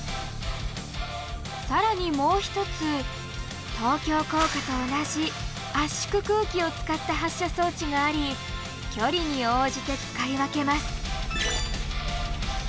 さらにもう１つ東京工科と同じ圧縮空気を使った発射装置があり距離に応じて使い分けます。